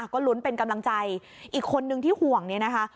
ก็ลุ้นเป็นกำลังใจอีกคนนึงที่ห่วงเนี่ยนะคะ